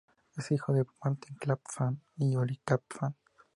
Es hijo de Martin Clapham y Julie Clapham.